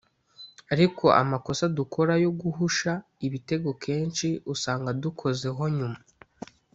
ariko amakosa dukora yo guhusha ibitego kenshi usanga adukozeho nyuma